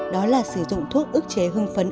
đó là sử dụng thuốc ức chế hương phấn